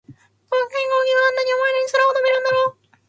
どうして飛行機は、あんなに重いのに空を飛べるんだろう。